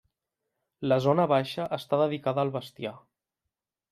La zona baixa està dedicada al bestiar.